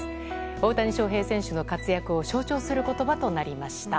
大谷翔平選手の活躍を象徴する言葉となりました。